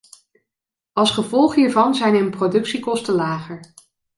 Als gevolg hiervan zijn hun productiekosten lager.